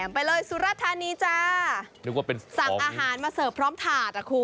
ไปเลยสุรษะทานีจ้านึกว่าพี่ทำอาหารมาเซิร์ฟพร้อมทัด